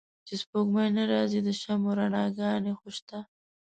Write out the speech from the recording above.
چې سپوږمۍ نه را ځي د شمعو رڼاګا نې خوشته